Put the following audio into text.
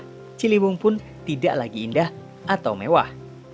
dan ciliwung pun tidak lagi indah atau mewah